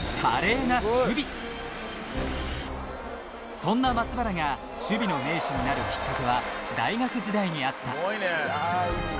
そんな松原が守備の名手になるきっかけは大学時代にあったそんなことあんの？